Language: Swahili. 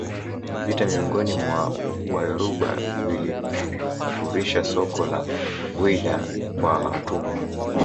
vita miongoni mwa Wayoruba vilifurisha soko la Whydah kwa watumwa